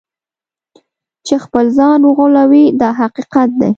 چې خپل ځان وغولوي دا حقیقت دی.